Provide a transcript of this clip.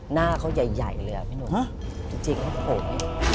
หน้าเขาใหญ่เลยอ่ะพี่หนุ่มจริงครับผม